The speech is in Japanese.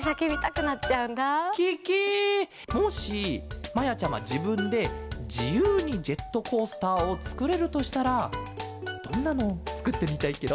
もしまやちゃまじぶんでじゆうにジェットコースターをつくれるとしたらどんなのをつくってみたいケロ？